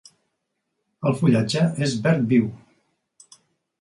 El fullatge és verd viu.